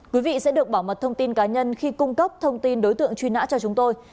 quý vị sẽ được bảo mật thông tin cá nhân khi cung cấp thông tin đối tượng truy nã cho chúng tôi